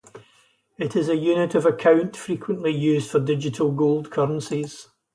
It is a unit of account frequently used for digital gold currencies.